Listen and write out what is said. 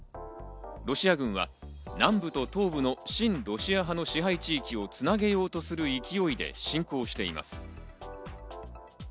ロシア軍は南部と東部の親ロシア派の支配地域をつなげようとする勢いで侵攻しています。